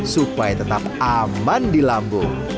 supaya tetap aman di lambung